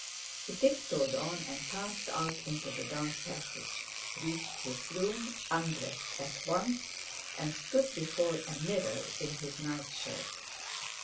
He tiptoed on and passed out into the dark passage; reached his room, undressed at once, and stood before a mirror in his night shirt.